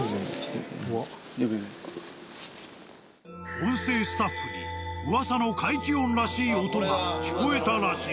音声スタッフに噂の怪奇音らしい音が聞こえたらしい。